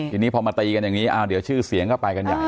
ทีนี้พอมาตีกันอย่างนี้เดี๋ยวชื่อเสียงก็ไปกันใหญ่